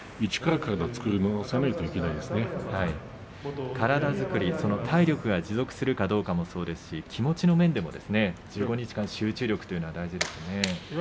体作りその体力が持続するかどうかもそうですし気持ちの面でも１５日間集中力は大事ですね。